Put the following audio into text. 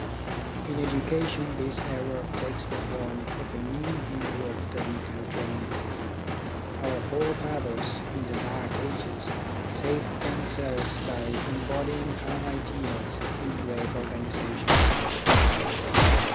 In education this error TECHNICAL EDUCATION 57 takes the form of a mean view of technical train ing. Our forefathers in the dark ages saved themselves by embodying high ideals in great organisations.